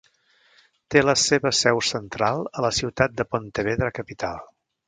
Té la seva seu central a la ciutat de Pontevedra capital.